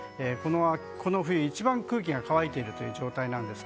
この冬一番空気が乾いている状態です。